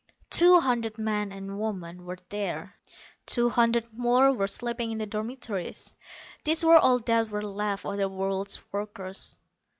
Two hundred men and women were there; two hundred more were sleeping in the dormitories. These were all that were left of the world's workers.